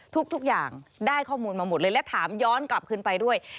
ทุกอย่างได้ข้อมูลมาหมดเลยและถามย้อนกลับขึ้นไปด้วย